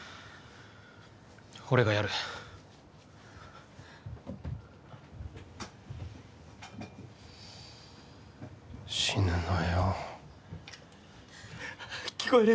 俺がやる死ぬなよ聞こえる？